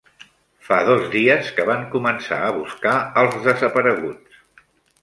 Fa dos dies que van començar a buscar als desapareguts